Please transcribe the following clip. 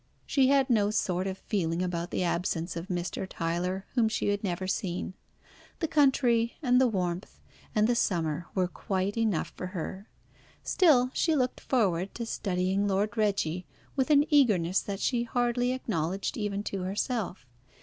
She had no sort of feeling about the absence of Mr. Tyler, whom she had never seen. The country, and the warmth, and the summer were quite enough for her. Still, she looked forward to studying Lord Reggie with an eagerness that she hardly acknowledged even to herself.